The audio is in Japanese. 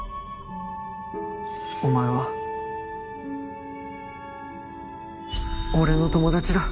お前は俺の友達だ。